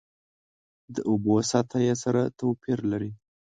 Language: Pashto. د اوبو سطحه یې سره توپیر لري.